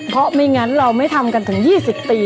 เพราะไม่งั้นเราไม่ทำกันถึง๒๐ปี